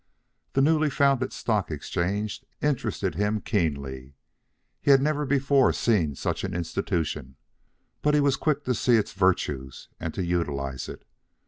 The newly founded stock exchange interested him keenly. He had never before seen such an institution, but he was quick to see its virtues and to utilize it.